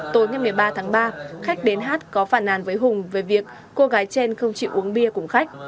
tối ngày một mươi ba tháng ba khách đến hát có phản nàn với hùng về việc cô gái trên không chịu uống bia cùng khách